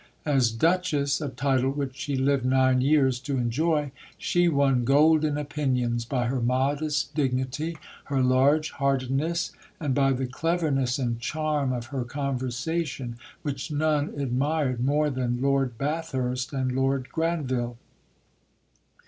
As Duchess, a title which she lived nine years to enjoy, she won golden opinions by her modest dignity, her large heartedness, and by the cleverness and charm of her conversation, which none admired more than Lord Bathurst and Lord Granville.